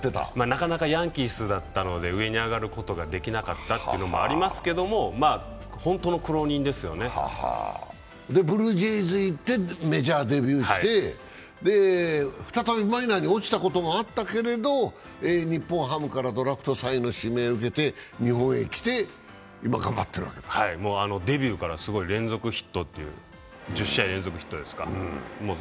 なかなかヤンキースだったので、上に上がることができなかったというのもありますが、ブルージェイズ行って、メジャーデビューして、再びマイナーに落ちたこともあったけれども日本ハムからドラフト３位を受けて日本へ来て、今頑張ってるわけだデビューから１０試合連続ヒットです。